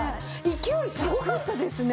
勢いすごかったですね。